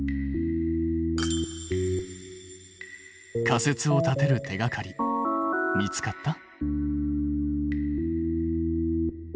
仮説を立てる手がかり見つかった？